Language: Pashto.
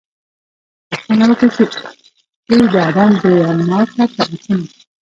پوښتنه وکړي چې اې د آدم زويه! ما ته په آسونو